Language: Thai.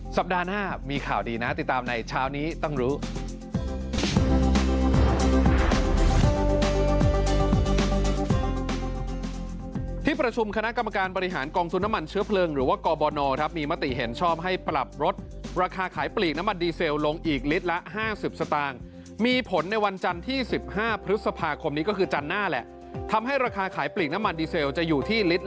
สัปดาห์หน้ามีข่าวดีนะติดตามในเช้านี้ต้องรู้